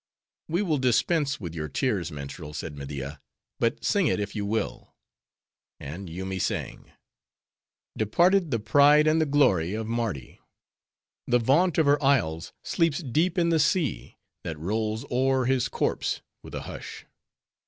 "We will dispense with your tears, minstrel," said Media, "but sing it, if you will." And Yoomy sang:— Departed the pride and the glory of Mardi: The vaunt of her isles sleeps deep in the sea, That rolls o'er his corpse with a hush.